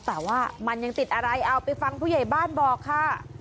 แต่ว่ามันยังติดอะไรเอาไปฟังผู้ใหญ่บ้านบอกค่ะ